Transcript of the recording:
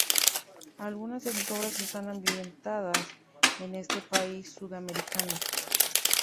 Algunas de sus obras están ambientadas en ese país sudamericano.